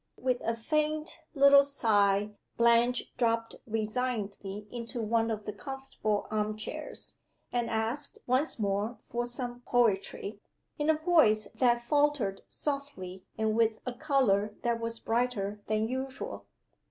With a faint little sigh, Blanche dropped resignedly into one of the comfortable arm chairs and asked once more for "some poetry," in a voice that faltered softly, and with a color that was brighter than usual.